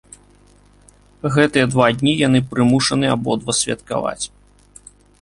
Гэтыя два дні яны прымушаны абодва святкаваць.